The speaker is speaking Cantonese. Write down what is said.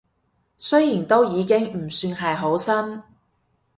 雖然都已經唔算係好新